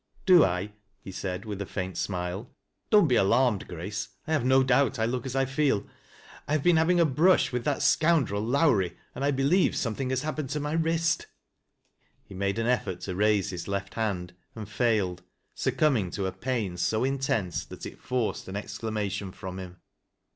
"Do li" he said, with a faint smile. "Don't bi alarmed, Grace, I have no doubt I look as I feel. I have been having a brush with that scoundrel Lowrie, and 1 believe something has happened to my wrist." He made an effort to raise his left hand and failed succumbing to a pain so intense that it forced an excia mation from him.